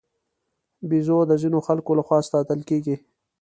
بیزو د ځینو خلکو له خوا ساتل کېږي.